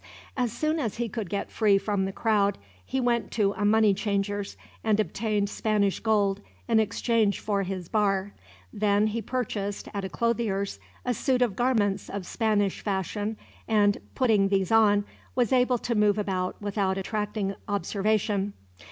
As soon as he could get free from the crowd, he went to a money changer's, and obtained Spanish gold in exchange for his bar. Then he purchased, at a clothier's, a suit of garments of Spanish fashion and, putting these on, was able to move about without attracting observation.